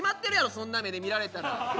そんな目で見られたら。